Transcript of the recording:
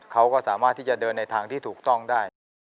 เขาก็สามารถที่จะเดินในทางที่ถูกต้องได้